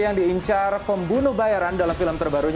yang diincar pembunuh bayaran dalam film terbarunya